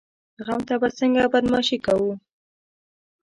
غم ته به څنګه بدماشي کوو؟